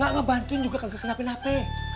gak ngebantuin juga kan kenape nape